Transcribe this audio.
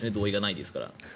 同意がないですから。